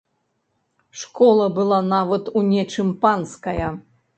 Школа была нават у нечым панская.